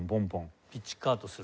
ピッチカートする。